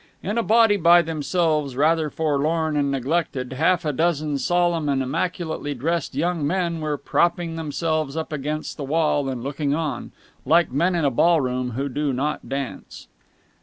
In a body by themselves, rather forlorn and neglected, half a dozen solemn and immaculately dressed young men were propping themselves up against the wall and looking on, like men in a ball room who do not dance.